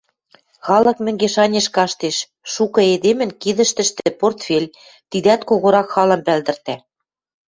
Халык мӹнгеш-анеш каштеш, шукы эдемӹн кидӹштӹштӹ портфель — тидӓт когорак халам пӓлдӹртӓ.